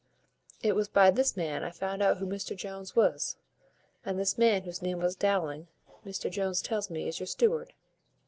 It was by this man I found out who Mr Jones was; and this man, whose name is Dowling, Mr Jones tells me is your steward.